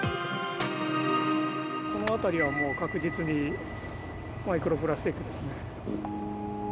この辺りはもう確実にマイクロプラスチックですね。